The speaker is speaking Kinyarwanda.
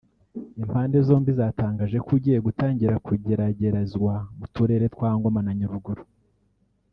Impande zombi zatangaje ko ugiye gutangira kugeragerezwa mu turere twa Ngoma na Nyaruguru